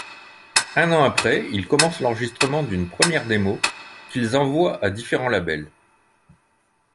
Un an après, ils commencent l'enregistrement d'une première démo, qu'ils envoient à différents labels.